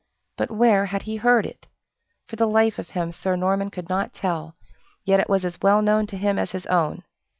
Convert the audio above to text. But where had he heard it? For the life of him, Sir Norman could not tell, yet it was as well known to him as his own.